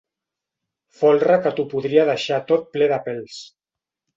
Folre que t'ho podria deixar tot ple de pèls.